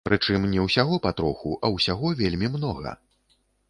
Прычым не ўсяго па троху, а ўсяго вельмі многа.